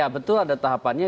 betul ada tahapannya